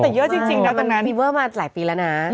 แต่เยอะจริงนะตอนนั้นฟีเวอร์มาหลายปีแล้วนะ